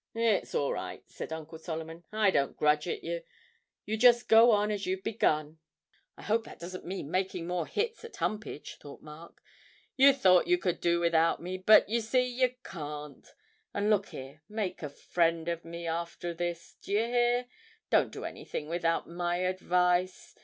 'It's all right,' said Uncle Solomon; 'I don't grudge it yer. You just go on as you've begun.' ('I hope that doesn't mean "making more hits at Humpage,"' thought Mark.) 'You thought you could do without me, but you see you can't; and look here, make a friend of me after this, d'ye hear? Don't do nothing without my advice.